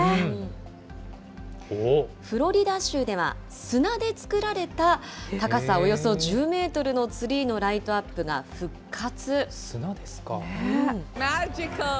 フロリダ州では、砂で作られた高さおよそ１０メートルのツリーのライトアップが復砂ですか。